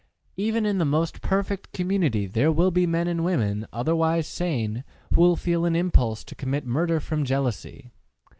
Even in the most perfect community there will be men and women, otherwise sane, who will feel an impulse to commit murder from jealousy.